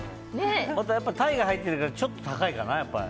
鯛が入ってるからちょっと高いかな。